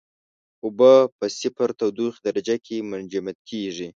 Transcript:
اوبه په صفر تودوخې درجه کې منجمد کیږي.